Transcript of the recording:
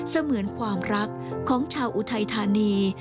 เสมือนความรักของชาวอุทัยธานี